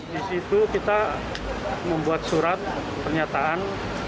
di situ kita membuat surat pernyataan